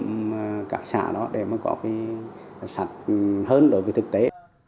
trong các xã đó để có sẵn hơn đối với thực tế